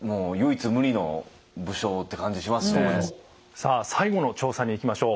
さあ最後の調査にいきましょう。